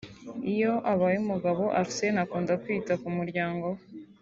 Iyo abaye umugabo Arsène akunda kwita ku murayango we